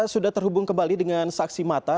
sudah terhubung kembali dengan saksi mata